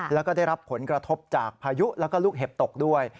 แล้วก็ได้รับผลกระทบจากพายุแล้วก็ลูกเห็บตกด้วย